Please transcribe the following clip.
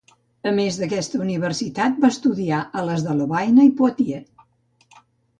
A més d'aquesta universitat va estudiar a les de Lovaina i Poitiers.